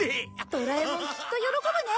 ドラえもんきっと喜ぶね。